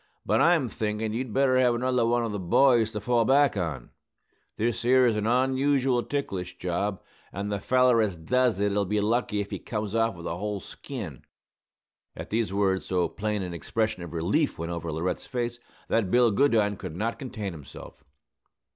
But I'm thinkin' you'd better have another one of the boys to fall back on. This 'ere's an onusual ticklish job; and the feller as does it'll be lucky if he comes off with a whole skin." At these words so plain an expression of relief went over Laurette's face that Bill Goodine could not contain himself.